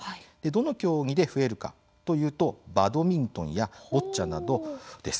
どの競技で増えるかというとバドミントンやボッチャなどです。